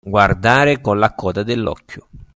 Guardare con la coda nell'occhio.